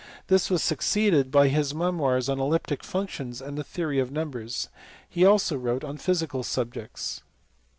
This was succeeded by memoirs on elliptic functions and the theory of numbers; he also wrote on physical subjects.